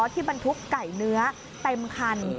บรรทุกไก่เนื้อเต็มคัน